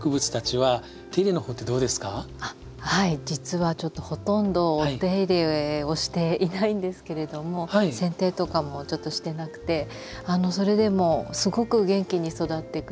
はい実はほとんどお手入れをしていないんですけれどもせん定とかもちょっとしてなくてそれでもすごく元気に育ってくれていて。